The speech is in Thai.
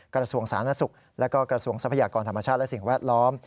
กระทรวงสาธารณสุขและก็กระทรวงทรัพยากรธรรมชาติและสิ่งแวดล้อม